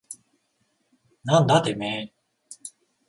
なんだてめえ。